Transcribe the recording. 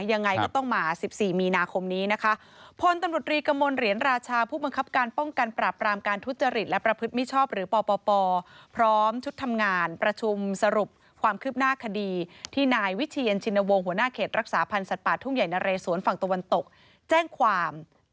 ยังไงก็ต้องมา๑๔มีนาคมนี้นะคะ